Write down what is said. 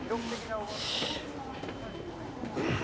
うん。